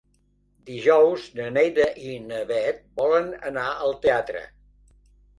Dijous na Neida i na Bet volen anar al teatre.